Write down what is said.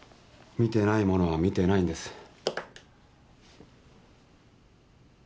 見てないものは見てないんです。